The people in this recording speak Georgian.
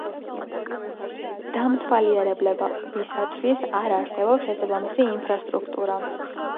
დამთვალიერებელთათვის არ არსებობს შესაბამისი ინფრასტრუქტურა.